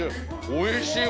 おいしい！